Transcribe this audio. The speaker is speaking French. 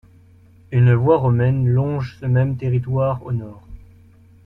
Une voie romaine longe ce même territoire au nord.